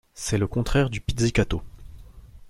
C'est le contraire du pizzicato.